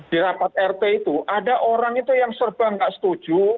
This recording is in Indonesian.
di rapat rt itu ada orang itu yang serba nggak setuju